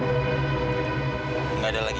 ya memang gak ada lagi